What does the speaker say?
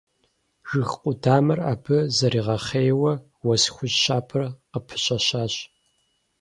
Жыг къудамэр абы зэригъэхъейуэ уэс хужь щабэр къыпыщэщащ.